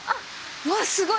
うわすごい！